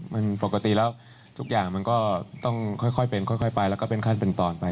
มันปกติแล้วทุกอย่างมันก็ต้องค่อยเป็นค่อยไปแล้วก็เป็นขั้นเป็นตอนไป